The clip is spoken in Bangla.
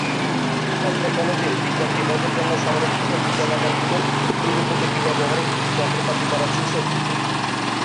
অত্র কলেজের বিজ্ঞান বিভাগের জন্য সংরক্ষিত বিজ্ঞানাগার গুলো যুগোপযোগী ব্যবহারিক যন্ত্রপাতি দ্বারা সুসজ্জিত।